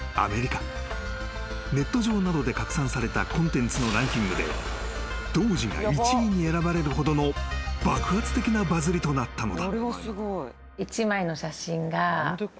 ［ネット上などで拡散されたコンテンツのランキングでＤＯＧＥが１位に選ばれるほどの爆発的なバズリとなったのだ］